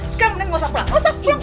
sekarang gue lepasin